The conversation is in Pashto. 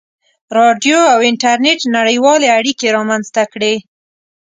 • راډیو او انټرنېټ نړیوالې اړیکې رامنځته کړې.